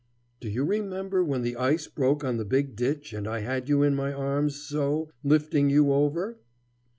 "Do you remember when the ice broke on the big ditch and I had you in my arms, so, lifting you over?"